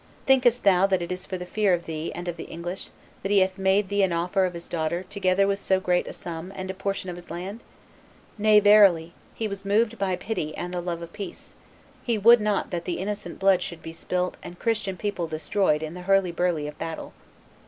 Thinkest thou that it is for fear of thee and of the English that he hath made thee an offer of his daughter together with so great a sum and a portion of his land? Nay, verily; he was moved by pity and the love of peace; he would not that the innocent blood should be spilt and Christian people destroyed in the hurly burly of battle.